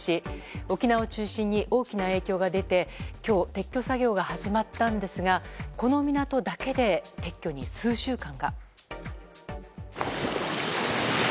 沖縄を中心に大きな影響が出て今日撤去作業が始まったんですがこの港だけで撤去に数週間が。